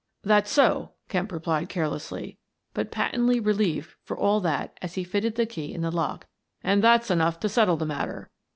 "That's so," Kemp replied, carelessly, but pa tently relieved for all that as he fitted the key to the lock, " and that's enough to settle the matter.